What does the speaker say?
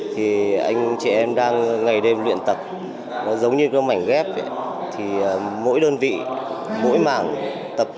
thì anh chị em đang ngày đêm luyện tập nó giống như cái mảnh ghép thì mỗi đơn vị mỗi mảng tập